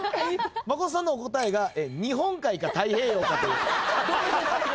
真琴さんのお答えが日本海か太平洋かという。